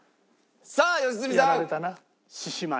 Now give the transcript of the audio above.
さあ良純さん。